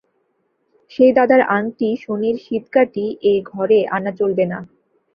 সেই দাদার আংটি শনির সিঁধকাঠি– এ ঘরে আনা চলবে না।